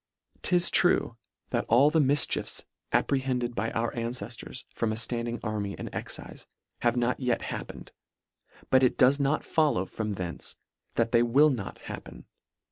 'Tis true that all the mifchiefs apprehended by our anceftors from a ftand ing army and excife, have not yet happen ed : but it does not follow from thence, that they will not happen.